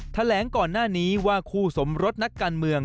แถลงก่อนหน้านี้ว่าคู่สมรสนักการเมือง